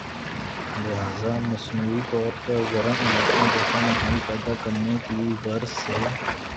لہذا مصنوعی طور پر گرم علاقوں جیسا ماحول پیدا کرنے کی غرض سے